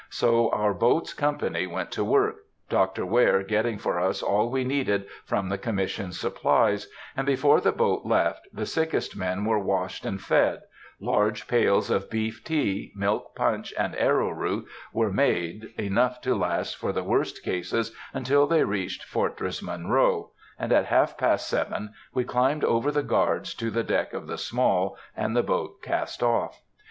So our boat's company went to work, Dr. Ware getting for us all we needed from the Commission's supplies, and before the boat left, the sickest men were washed and fed; large pails of beef tea, milk punch, and arrow root were made, enough to last for the worst cases until they reached Fortress Monroe, and at half past seven we climbed over the guards to the deck of the Small, and the boat cast off.